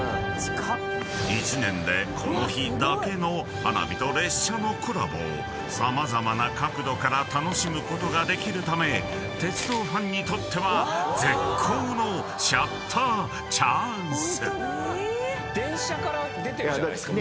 ［一年でこの日だけの花火と列車のコラボを様々な角度から楽しむことができるため鉄道ファンにとっては絶好のシャッターチャンス］